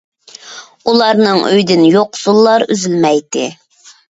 ئۇلارنىڭ ئۆيىدىن يوقسۇللار ئۈزۈلمەيتتى.